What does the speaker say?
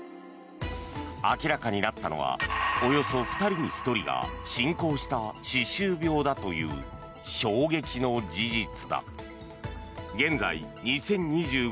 明らかになったのはおよそ２人に１人が進行した歯周病だという衝撃の事実だ。